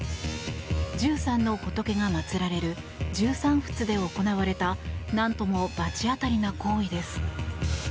１３の仏が祭られる十三佛で行われたなんとも罰当たりな行為です。